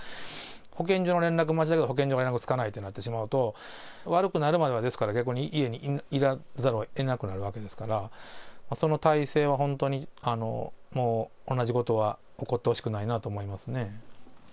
保健所の連絡を待ちながら、保健所に連絡がつかないとなってしまうと、悪くなるまでは、ですから逆に家にいざるをえなくなるわけですから、その体制は本当に、もう同じことは起こってほしくないなとは思いますね。